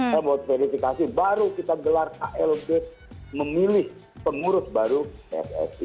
membuat verifikasi baru kita gelar klb memilih pengurus baru cssi